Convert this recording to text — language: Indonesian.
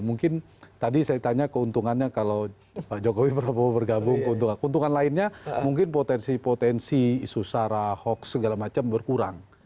mungkin tadi saya tanya keuntungannya kalau pak jokowi prabowo bergabung keuntungan lainnya mungkin potensi potensi isu sara hoax segala macam berkurang